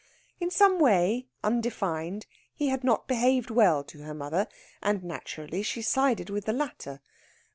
In some way, undefined, he had not behaved well to her mother; and naturally she sided with the latter.